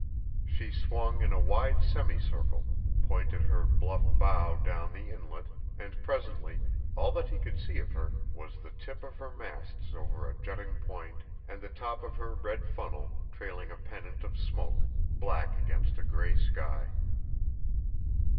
She swung in a wide semicircle, pointed her bluff bow down the Inlet, and presently all that he could see of her was the tip of her masts over a jutting point and the top of her red funnel trailing a pennant of smoke, black against a gray sky.